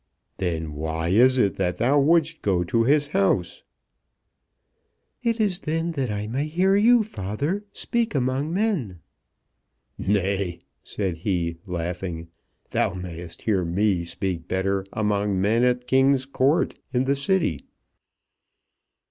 "Then why is it that thou wouldst go to his house?" "It is that I may hear you, father, speak among men." "Nay," said he, laughing, "thou mayst hear me better speak among men at King's Court in the City.